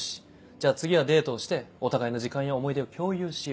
じゃあ次はデートをしてお互いの時間や思い出を共有しよう。